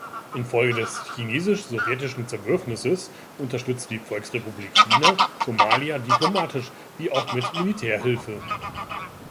Infolge des chinesisch-sowjetischen Zerwürfnisses unterstützte die Volksrepublik China Somalia diplomatisch wie auch mit Militärhilfe.